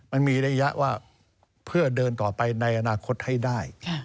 มันมีระยะว่าเพื่อเดินต่อไปในอนาคตให้ได้